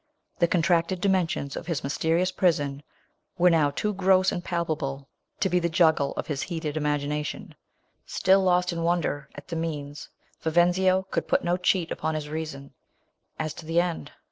The contracted dimensions of his my te rious prison were now too »TO ;m,i palpable to be the juggle of' his lieat ed imagination. Stilllost in wonder at the means, Viven/io could put no cheat upon his reason, as to the end.